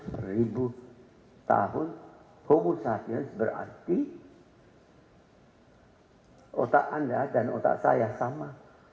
beribu tahun homo sapiens berarti otak anda dan otak saya sama